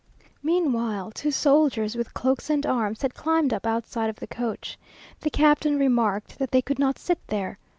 Meanwhile, two soldiers with cloaks and arms had climbed up outside of the coach. The captain remarked that they could not sit there.